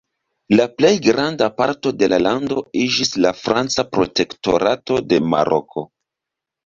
La plej granda parto de la lando iĝis la Franca protektorato de Maroko.